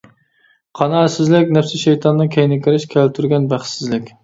قانائەتسىزلىك، نەپسى شەيتاننىڭ كەينىگە كىرىش كەلتۈرگەن بەختسىزلىك.